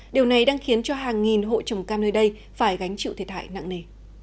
điều này đang khiến cho hàng nghìn hộ trồng cam nơi đây phải gánh chịu thiệt hại nặng nề